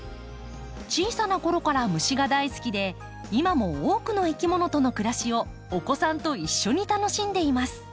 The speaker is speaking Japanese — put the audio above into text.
小さなころから虫が大好きで今も多くのいきものとの暮らしをお子さんと一緒に楽しんでいます。